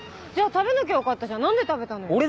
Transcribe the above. じゃあ食べなきゃよかったじゃん何で食べたのよ？